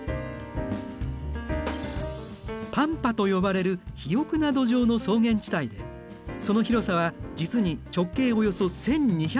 パンパと呼ばれる肥沃な土壌の草原地帯でその広さは実に直径およそ１，２００キロメートル。